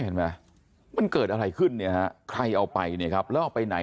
เห็นไหมมันเกิดอะไรขึ้นเนี่ยฮะใครเอาไปเนี่ยครับแล้วเอาไปไหน